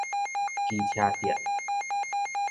機車店